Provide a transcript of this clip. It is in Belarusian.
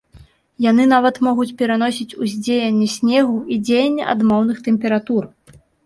Яны нават могуць пераносіць ўздзеянне снегу і дзеянне адмоўных тэмператур.